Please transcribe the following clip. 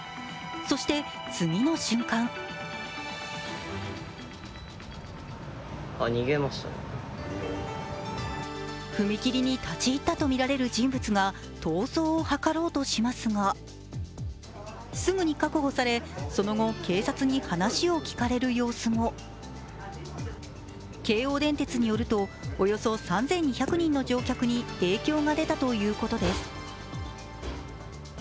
そして次の瞬間踏切に立ち入ったとみられる人物が逃走を図ろうとしますがすぐに確保されその後、警察に話を聴かれる様子も京王電鉄によると、およそ３２００人の乗客に影響が出たということです。